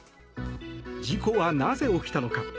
事故はなぜ起きたのか。